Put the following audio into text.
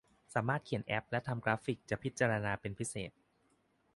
สามารถเขียนแอพและทำกราฟฟิคเป็นจะพิจารณาเป็นพิเศษ